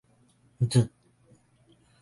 Th.